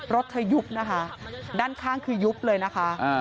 รถเธอยุบนะคะด้านข้างคือยุบเลยนะคะ